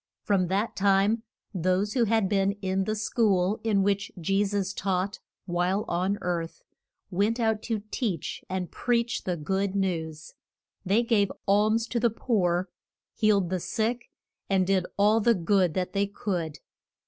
From that time those who had been in the school in which Je sus taught while on earth went out to teach and preach the good news. They gave alms to the poor, healed the sick, and did all the good that they could.